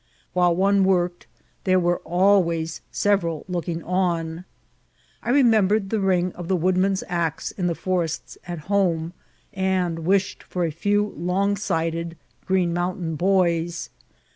While one worked there were always several looking on. I remembered the ring of the woodman's axe in the forests at home, and wished for a few long sided Ghreen Mountain boys.